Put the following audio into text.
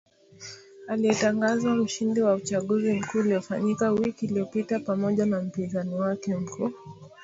aliyetangazwa mshindi wa uchaguzi mkuu uliofanyika wiki iliyopita pamoja na mpinzani wake mkuu